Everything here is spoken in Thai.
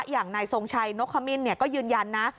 อย่างนายทรงชัยโน้กค้ามิลเนี่ยก็ยืนยันนะ